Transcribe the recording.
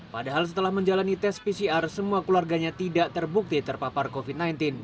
padahal setelah menjalani tes pcr semua keluarganya tidak terbukti terpapar covid sembilan belas